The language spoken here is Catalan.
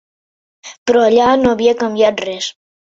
Però allà no havia canviat res.